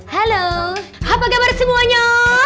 halo apa kabar semuanya